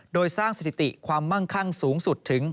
โดยสร้างสถิติความมั่งคั่งสูงสุดถึง